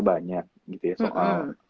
banyak gitu ya soal